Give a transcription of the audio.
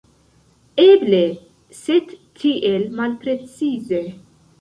Eble, sed tiel malprecize.